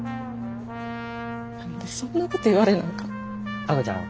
何でそんなこと言われなあかんねん。